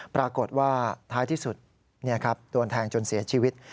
ปรากฏว่าท้ายที่สุดโดนแทงจนเสียชีวิต